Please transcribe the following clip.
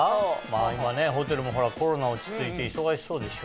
今ホテルもコロナ落ち着いて忙しそうでしょ？